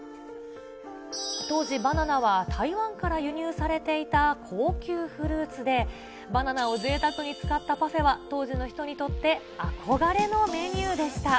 当時、バナナは台湾から輸入されていた高級フルーツで、バナナをぜいたくに使ったパフェは当時の人にとって憧れのメニューでした。